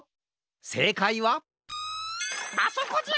せいかいはあそこじゃ！